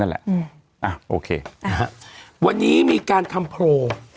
นั่นแหละอืมอะโอเคน่าฮะวันนี้มีการทำโพง